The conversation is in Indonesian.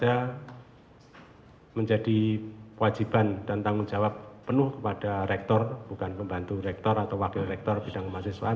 saya menjadi kewajiban dan tanggung jawab penuh kepada rektor bukan pembantu rektor atau wakil rektor bidang kemahasiswaan